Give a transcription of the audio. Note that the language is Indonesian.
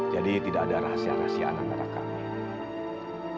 jadi tidak ada rahasia rahasiaan antara kami